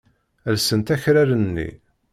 Llsent akraren-nni.